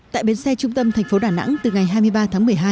tại bến xe trung tâm thành phố đà nẵng từ ngày hai mươi ba tháng một mươi hai